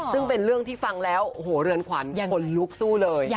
ซึ่งเป็นเรื่องที่ฟังแล้วโอ้โหเรือนขวัญคนลุกสู้เลย